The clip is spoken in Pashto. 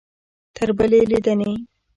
تر بلې لیدنې؟